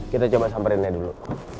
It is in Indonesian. kita coba samperinnya dulu